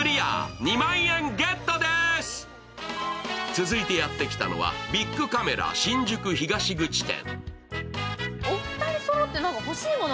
続いてやってきたのはビックカメラ新宿東口店。